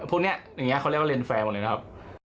พวกเนี่ยเขาเรียกว่าเลนส์แฟร์หมดเลยนะครับ